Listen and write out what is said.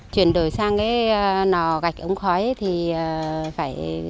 chuyển đổi sang lò gạch ống khói thì phải